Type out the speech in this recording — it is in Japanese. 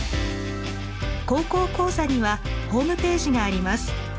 「高校講座」にはホームページがあります。